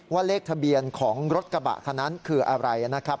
เลขทะเบียนของรถกระบะคันนั้นคืออะไรนะครับ